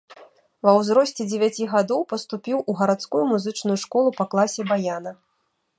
Ва ўзросце дзевяці гадоў паступіў у гарадскую музычную школу па класе баяна.